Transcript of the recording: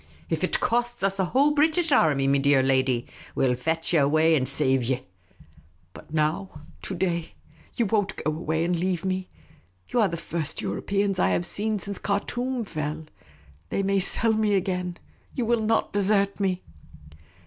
" If it costs us a whole British army, me dear lady, we '11 fetch you away and save you." " But now — to day ? You won't go away and leave me ? You are the first Europeans I have seen since Khartoum fell. They may sell me again. You will not desert me